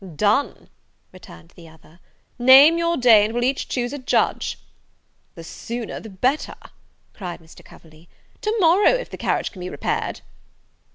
"Done!" returned the other; "name your day, and we'll each choose a judge." "The sooner the better," cried Mr. Coverley; "to morrow, if the carriage can be repaired."